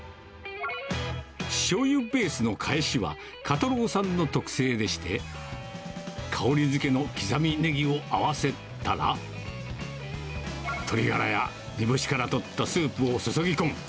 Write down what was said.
しょうゆベースのかえしは、袈太郎さんの特製でして、香りづけの刻みネギを合わせたら、鶏ガラや煮干しからとったスープを注ぎ込む。